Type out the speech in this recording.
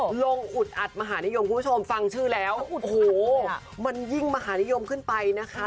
ลงอุดอัดมหานิยมคุณผู้ชมฟังชื่อแล้วโอ้โหมันยิ่งมหานิยมขึ้นไปนะคะ